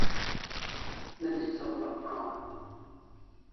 Neji sabak maw